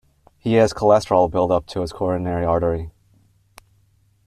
He has cholesterol buildup to his coronary artery.